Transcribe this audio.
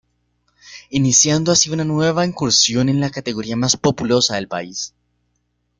Iniciando así una nueva incursión en la categoría más populosa del país.